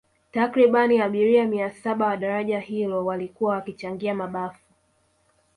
Takribani abiria mia saba wa daraja hilo walikuwa wakichangia mabafu